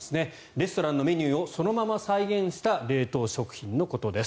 レストランのメニューをそのまま再現した冷凍食品のことです。